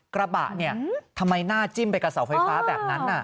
กระบะเนี่ยทำไมหน้าจิ้มไปกับเสาไฟฟ้าแบบนั้น